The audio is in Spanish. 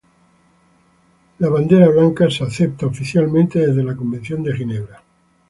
La bandera blanca está aceptada oficialmente desde la Convención de Ginebra.